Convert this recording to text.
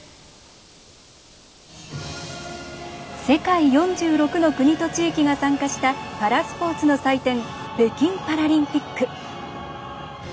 世界４６の国と地域が参加したパラスポーツの祭典北京パラリンピック。